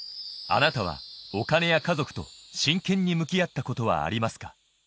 あなたはお金や家族と真剣に向き合ったことはありますか？